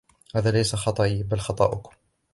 هذا ليس خطئي ، بل خطؤكم.